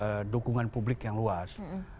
mendapat juga dukungan publik yang luas